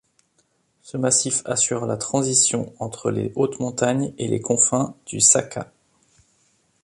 Ce massif assure la transition entre les hautes montagnes et les confins du Sakha.